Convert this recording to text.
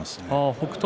北勝